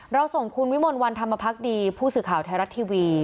เราส่งคุณวิมลวันธรรมพักดีผู้สื่อข่าวไทยรัฐทีวี